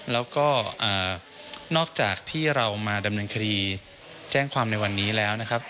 แล้วก็นอกจากที่เรามาดำเนินคดีแจ้งความในวันนี้แล้วนะครับ